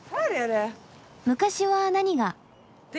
昔は何が？